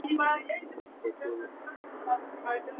তিনি বক্ররেখার জন্য মিংকফ্স্কি সসেজ ও মিংকফ্স্কি কভার সৃষ্টি করেছেন।